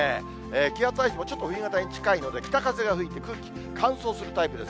気圧配置もちょっと冬型に近いので、北風が吹いて、空気、乾燥するタイプです。